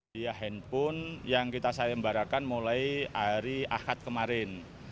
dia handphone yang kita sayembarakan mulai hari ahad kemarin